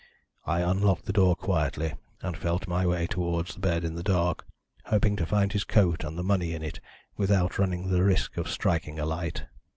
I unlocked the door quietly, and felt my way towards the bed in the dark, hoping to find his coat and the money in it without running the risk of striking a light.